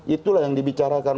itulah yang dibicarakan